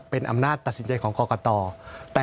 เป็นอำนาจตัดสินใจของกรกต